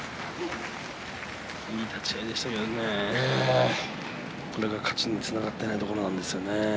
いい立ち合いでしたけどねこれが勝ちにつながっていませんね。